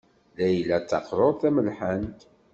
Layla d taqṛuṛt tamelḥant.